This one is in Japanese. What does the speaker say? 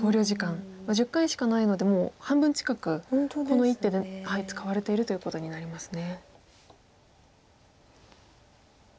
１０回しかないのでもう半分近くこの一手で使われているということになりますね。